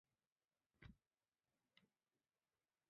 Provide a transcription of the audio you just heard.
通常通用编程语言不含有为特定应用领域设计的结构。